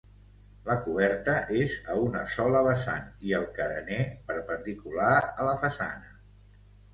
La coberta és a una sola vessant i el carener perpendicular a la façana.